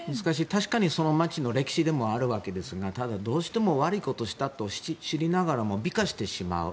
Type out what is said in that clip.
確かにその街の歴史でもあるわけですがただ、どうしても悪いことをしたと知りながらも美化してしまう。